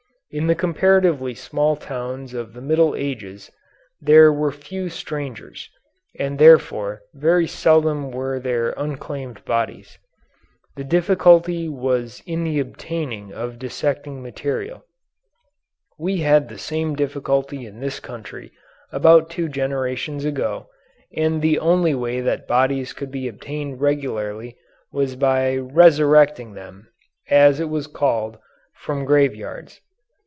In the comparatively small towns of the Middle Ages there were few strangers, and therefore very seldom were there unclaimed bodies. The difficulty was in the obtaining of dissecting material. We had the same difficulty in this country until about two generations ago, and the only way that bodies could be obtained regularly was by "resurrecting" them, as it was called, from graveyards.